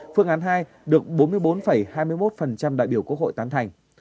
phương án hai được bốn mươi bốn hai mươi một đại biểu quốc hội tán thành